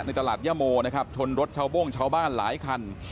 ตลาดย่าโมนะครับชนรถชาวโบ้งชาวบ้านหลายคัน